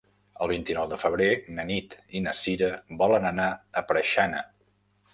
El vint-i-nou de febrer na Nit i na Cira volen anar a Preixana.